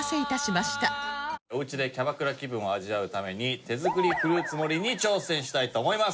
おうちでキャバクラ気分を味わうために手作りフルーツ盛りに挑戦したいと思います。